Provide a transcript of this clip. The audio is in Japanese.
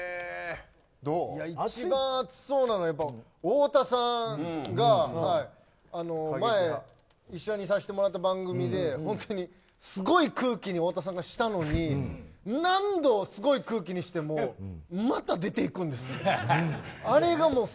一番熱そうなのは太田さんが前、一緒にさせてもらった番組で本当にすごい空気にしたのに何度すごい空気にしてもまたすぐ出ていくんです。